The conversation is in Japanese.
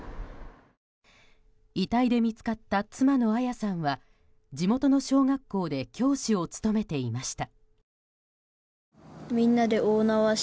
遺体で見つかった妻の彩さんは地元の小学校で教師を務めていました。